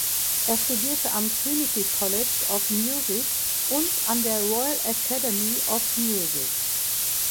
Er studierte am Trinity College of Music und an der Royal Academy of Music.